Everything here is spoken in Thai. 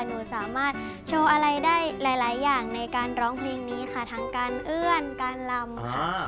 หนูสามารถโชว์อะไรได้หลายอย่างในการร้องเพลงนี้ค่ะทั้งการเอื้อนการลำค่ะ